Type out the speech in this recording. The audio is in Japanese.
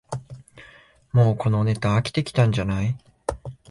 もうこのネタ飽きてきたんじゃない